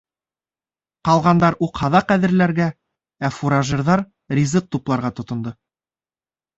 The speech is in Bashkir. Ҡалғандар уҡ-һаҙаҡ әҙерләргә, ә фуражерҙар ризыҡ тупларға тотондо...